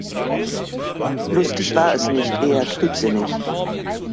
Lustig war es nicht, eher trübsinnig.